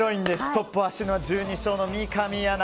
トップを走るのは１２勝の三上アナ。